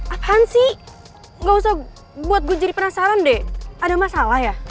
akan sih gak usah buat gue jadi penasaran deh ada masalah ya